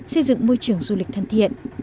xây dựng môi trường du lịch thân thiện